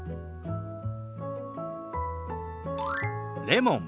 「レモン」。